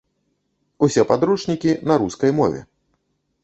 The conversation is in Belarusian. Усе падручнікі на рускай мове.